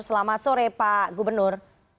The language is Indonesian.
selamat sore pak gubernur